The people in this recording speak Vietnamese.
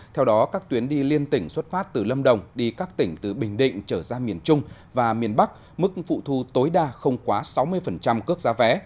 theo đó các tuyến đi liên tỉnh xuất phát từ lâm đồng đi các tỉnh từ bình định trở ra miền trung và miền bắc mức phụ thu tối đa không quá sáu mươi cước giá vé